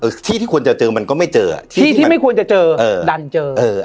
ที่ที่ควรจะเจอมันก็ไม่เจออ่ะที่ที่ไม่ควรจะเจอเออดันเจอเออ